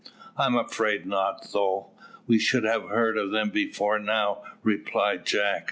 "I'm afraid not, though; we should have heard of them before now," replied Jack.